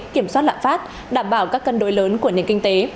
kiểm soát lạm phát đảm bảo các cân đối lớn của nền kinh tế